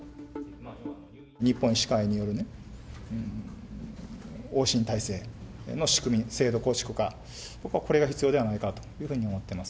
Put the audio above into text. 日本医師会によるね、往診体制の仕組み、制度構築が、これが必要ではないかと思っています。